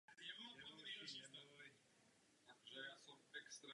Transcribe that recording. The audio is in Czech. Tento prototyp je určen speciálně na pozemní zkoušky.